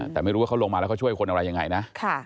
แต่ไม่รู้ว่าเขาลงมาแล้วเขาช่วยคนอะไรยังไงนะ